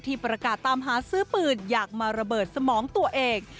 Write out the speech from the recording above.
ประกาศตามหาซื้อปืนอยากมาระเบิดสมองตัวเอง